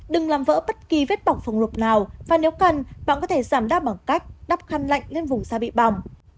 đừng làm vỡ bất kỳ vết bỏng phòng lục nào và nếu cần bạn có thể giảm đa bằng cách đắp khăn lạnh lên vùng xa bị bỏng